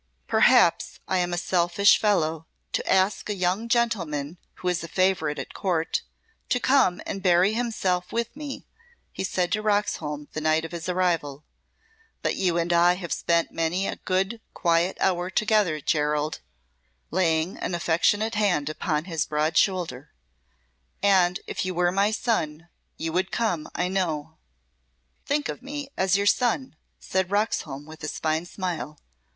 "Perhaps I am a selfish fellow to ask a young gentleman who is a favourite at Court to come and bury himself with me," he said to Roxholm the night of his arrival, "but you and I have spent many a good quiet hour together, Gerald," laying an affectionate hand upon his broad shoulder. "And if you were my son you would come, I know." "Think of me as your son," said Roxholm with his fine smile.